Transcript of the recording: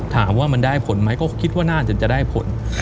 ถามว่ามันได้ผลไหมก็คิดว่าน่าจะจะได้ผล